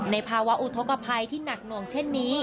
ในภาวะอุทธกภัยที่หนักหน่วงเช่นนี้